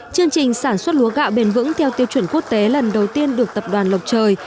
chương trình sản xuất lúa gạo bền vững theo tiêu chuẩn quốc tế lần đầu tiên được tập đoàn lộc trời